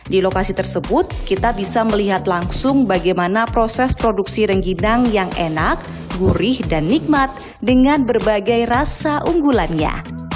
di lokasi tersebut kita bisa melihat langsung bagaimana proses produksi rengginang yang enak gurih dan nikmat dengan berbagai rasa unggulannya